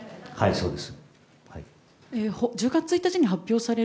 そうです。